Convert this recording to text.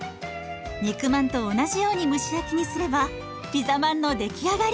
肉まんと同じように蒸し焼きにすればピザまんの出来上がり。